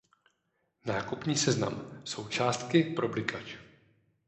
Nákupní seznam: Součástky pro blikač